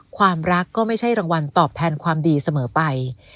ความรักก็ไม่ใช่รางวัลตอบแทนความดีเสมอไป